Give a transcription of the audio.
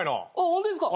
ホントですか？